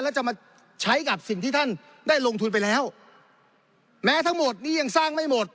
แล้วจะมาใช้กับสิ่งที่ท่านได้ลงทุนไปแล้วแม้ทั้งหมดนี้ยังสร้างไม่หมด